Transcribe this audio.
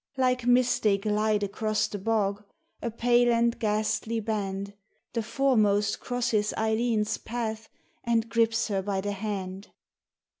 Like mist they glide across the bog, a pale and ghastly band, The foremost crosses Eileen's path and grips her by the hand.